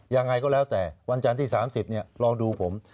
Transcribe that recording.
ยังไงก็แล้วแต่วันจันทร์ที่๓๐ลองดูผม